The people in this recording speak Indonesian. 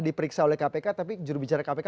diperiksa oleh kpk tapi jurubicara kpk